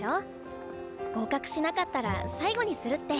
合格しなかったら最後にするって。